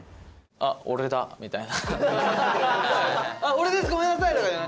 「あ俺だ」みたいな。